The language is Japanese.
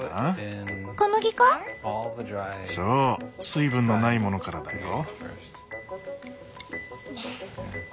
水分のないものからだよ。